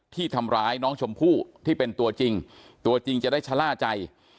ที่ทำร้ายน้องชมพู่ที่เป็นตัวจริงตัวจริงจะได้ชะล่าใจ